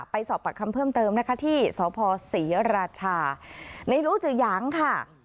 ไปสอบปากคำเพิ่มเติมนะคะที่สพศรีราชาในรู้จะยังค่ะ